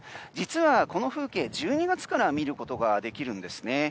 実は、この風景、１２月から見ることができるんです。